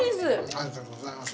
ありがとうございます。